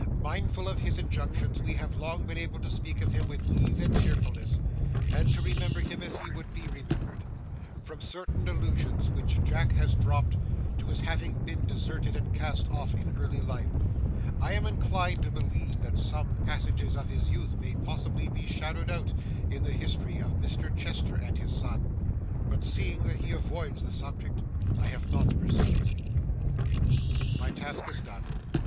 Mindful of his injunctions, we have long been able to speak of him with ease and cheerfulness, and to remember him as he would be remembered. From certain allusions which Jack has dropped, to his having been deserted and cast off in early life, I am inclined to believe that some passages of his youth may possibly be shadowed out in the history of Mr. Chester and his son, but seeing that he avoids the subject, I have not pursued it. [Picture: The Deserted Chamber] My task is done.